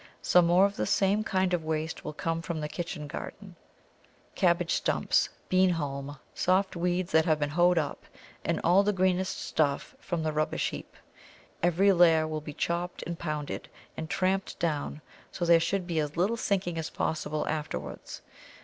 Some more of the same kind of waste will come from the kitchen garden cabbage stumps, bean haulm, soft weeds that have been hoed up, and all the greenest stuff from the rubbish heap. Every layer will be chopped and pounded, and tramped down so that there should be as little sinking as possible afterwards.